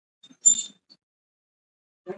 اوږده غرونه د افغانانو د ژوند طرز اغېزمنوي.